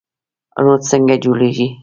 روټ څنګه جوړیږي؟